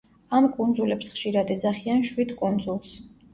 ამ კუნძულებს ხშირად ეძახიან „შვიდ კუნძულს“.